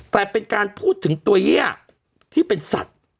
แต่เป็นการพูดถึงตัวเยื่อที่เป็นสัตว์